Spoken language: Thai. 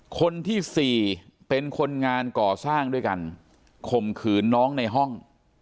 คนที่สี่เป็นคนงานก่อสร้างด้วยกันข่มขืนน้องในห้อง